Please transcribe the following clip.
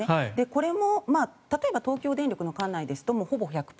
これも例えば東京電力管内ですとほぼ１００％